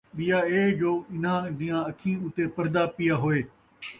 ٻِیا ایہ جو انھاں دِیاں اَکھیں اُتے پَردہ پِیا ہوئے ،